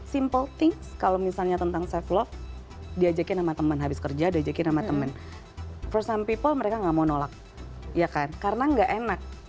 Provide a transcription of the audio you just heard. simple things kalau misalnya tentang self love diajakin sama teman habis kerja diajakin sama temen first some people mereka nggak mau nolak ya kan karena nggak enak